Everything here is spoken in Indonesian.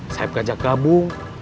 saeb ajak gabung